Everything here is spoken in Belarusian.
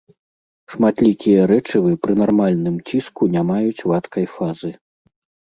Шматлікія рэчывы пры нармальным ціску не маюць вадкай фазы.